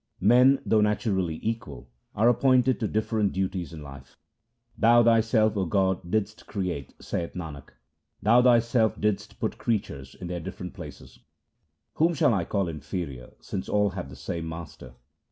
Men, though naturally equal, are appointed to different duties in life :— Thou Thyself, 0 God, didst create, saith Nanak, Thou Thyself didst put creatures in their different places ; Whom shall I call inferior since all have the same Master